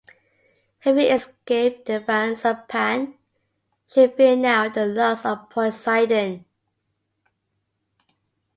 Having escaped the advances of Pan, she feared now the lust of Poseidon.